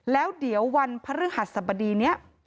แล้วเดี๋ยววันพระเรื่องหัดสบดีนี้